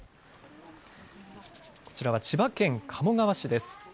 こちらは千葉県鴨川市です。